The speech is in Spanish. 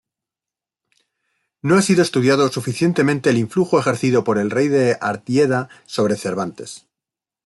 No ha sido estudiado suficientemente el influjo ejercido por Rey de Artieda sobre Cervantes.